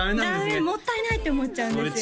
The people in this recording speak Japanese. ダメもったいないって思っちゃうんですよ